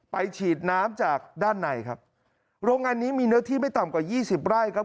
ฉีดน้ำจากด้านในครับโรงงานนี้มีเนื้อที่ไม่ต่ำกว่ายี่สิบไร่ครับ